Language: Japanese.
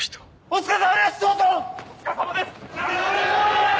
お疲れさまです！